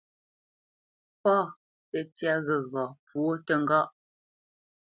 Pâ tə́tyá ghəgha pwǒ təŋgáʼ.